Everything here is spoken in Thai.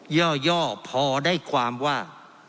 เยอะย่อพอได้ความว่า